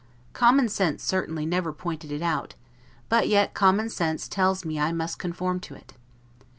Common sense certainly never pointed it out; but yet common sense tells me I must conform to it.